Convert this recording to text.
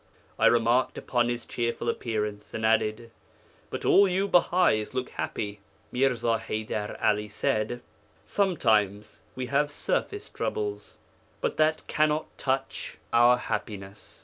I remarked upon his cheerful appearance, and added, "But all you Bahais look happy." Mirza Haydar 'Ali said: "Sometimes we have surface troubles, but that cannot touch our happiness.